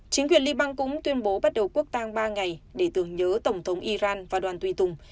chính quyền liban cũng tuyên bố bắt đầu quốc tang ba ngày để tưởng nhớ tổng thống iran và đoàn tùy tùng